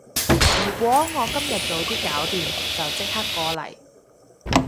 如果我今日早啲搞掂，就即刻過嚟